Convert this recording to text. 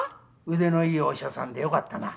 腕のいいお医者さんでよかったな。